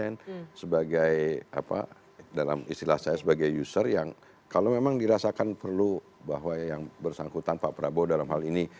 dan sebagai dalam istilah saya sebagai user yang kalau memang dirasakan perlu bahwa yang bersangkutan pak prabowo dalam hal ini